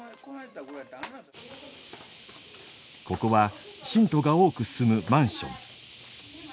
ここは信徒が多く住むマンション。